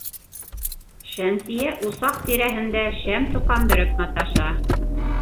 Шәмсиә усаҡ тирәһендә шәм тоҡандырып маташа.